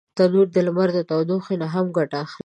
تنور د لمر د تودوخي نه هم ګټه اخلي